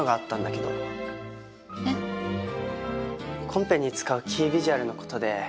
コンペに使うキービジュアルの事で。